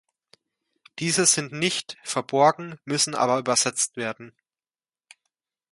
Diese sind nicht verborgen, müssen aber übersetzt werden.